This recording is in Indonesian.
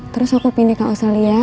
terus aku pindah ke australia